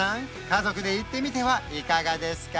家族で行ってみてはいかがですか？